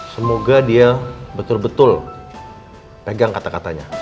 semoga dia betul betul pegang kata katanya